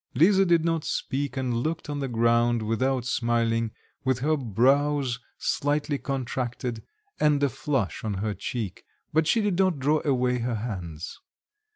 Lisa did not speak, and looked on the ground, without smiling, with her brows slightly contracted, and a flush on her cheek, but she did not draw away her hands.